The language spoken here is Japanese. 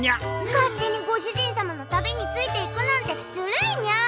勝手にご主人様の旅についていくなんてずるいニャ！